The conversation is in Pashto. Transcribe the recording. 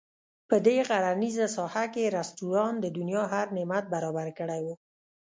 په دې غرنیزه ساحه کې رسټورانټ د دنیا هر نعمت برابر کړی وو.